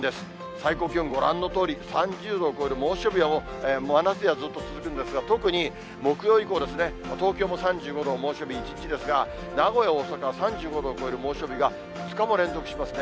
最高気温、ご覧のとおり、３０度を超える猛暑日、真夏日がずっと続くんですが、特に木曜以降ですね、東京も３５度、猛暑日、一日ですが、名古屋、大阪は３５度を超える猛暑日が５日も連続しますね。